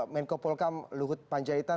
menko polkam luhut panjaritan